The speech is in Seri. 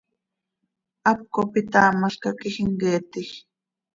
Hap cop itaamalca quij imqueetij.